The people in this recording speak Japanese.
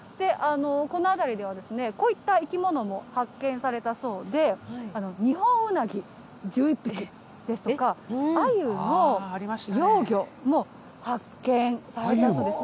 この辺りでは、こういった生き物も発見されたそうで、ニホンウナギ１１匹ですとか、アユの幼魚も発見されたんですね。